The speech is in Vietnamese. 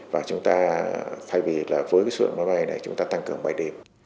và chúng ta thay vì là với cái số lượng máy bay này chúng ta tăng cường bay đêm